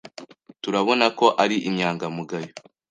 Turabona ko ari inyangamugayo.